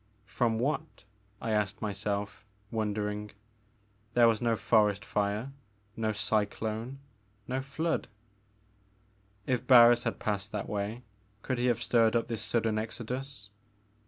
From what?" I asked myself, wondering. There was no forest fire, no cyclone, no flood. If Barris had passed that way could he have stirred up this sudden exodus?